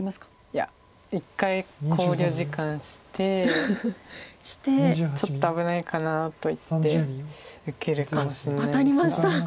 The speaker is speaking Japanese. いや一回考慮時間してちょっと危ないかなと言って受けるかもしれないですが。